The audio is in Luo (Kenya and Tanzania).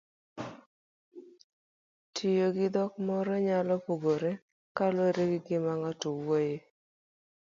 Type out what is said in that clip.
Tiyogi dhok moro nyalo pogore kaluwore gi gima ng'ato wuoyoe.